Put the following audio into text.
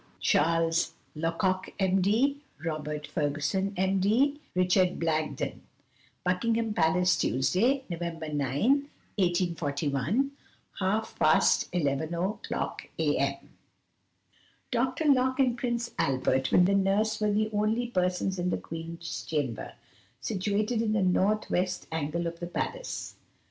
"CHARLES LOCOCK, M.D., "ROBERT FERGUSON, M.D., "RICHARD BLAGDEN. "Buckingham Palace, Tuesday, November 9, 1841, "Half past 11 o'clock, a.m." Dr. Locock and Prince Albert, with the nurse, were the only persons in the Queen's chamber, situated in the north west angle of the palace.